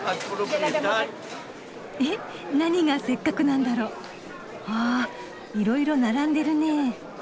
え何がせっかくなんだろ？わいろいろ並んでるね。